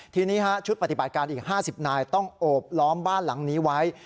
ทีนี้ชุดปฏิบัติการอีก๕๐นายต้องโอบล้อมบ้านหลังนี้ไว้